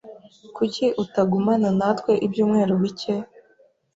Kuki utagumana natwe ibyumweru bike?